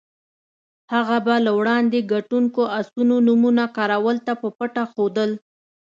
هغه به له وړاندې ګټونکو اسونو نومونه کراول ته په پټه ښودل.